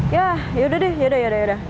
yah yaudah deh yaudah yaudah